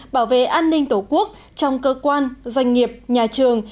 bảo vệ an ninh tổ quốc trong cơ quan doanh nghiệp nhà trường